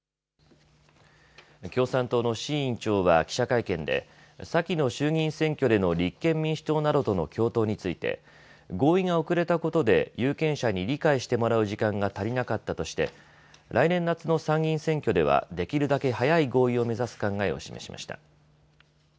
共産党の志位委員長は記者会見で先の衆議院選挙での立憲民主党などとの共闘について合意が遅れたことで有権者に理解してもらう時間が足りなかったとして来年夏の参議院選挙ではできるだけ早い合意を目指す考えを示しました。